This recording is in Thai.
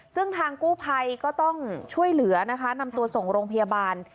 ซึ่งทางกู้ภัยก็ต้องช่วยเหลือนะคะนำตัวส่งโรงพยาบาล